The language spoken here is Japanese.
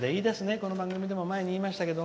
この番組でも前にも言いましたけど。